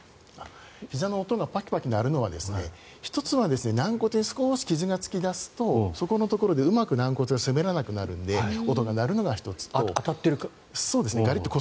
ひざの音がパキパキ鳴るのは１つは、軟骨って少し傷がつき始めるとそこのところでうまく軟骨が滑らなくなるので当たっているから。